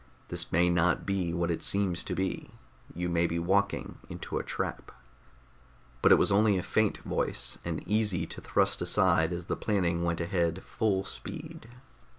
This may not be what it seems to be; you may be walking into a trap...._ But it was only a faint voice, and easy to thrust aside as the planning went ahead full speed.